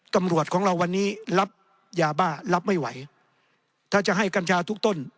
ตำรวจของเราวันนี้รับยาบ้ารับไม่ไหวถ้าจะให้กัญชาทุกต้น